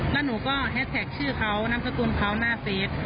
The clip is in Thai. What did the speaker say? แล้วหนูก็แฮชแท็กชื่อเขานามสกุลเขาหน้าเฟส